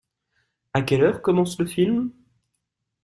À quelle heure commence le film ?